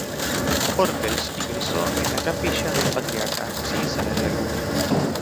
Ortells ingresó en la capilla del Patriarca sin salario alguno.